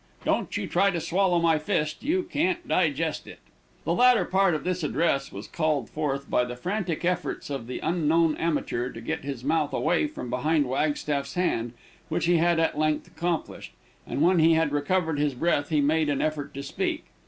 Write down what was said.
Don't you try to swallow my fist, you can't digest it." The latter part of this address was called forth by the frantic efforts of the unknown amateur to get his mouth away from behind Wagstaff's hand, which he at length accomplished, and when he had recovered his breath he made an effort to speak.